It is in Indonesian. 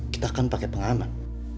kita kan pake pengaman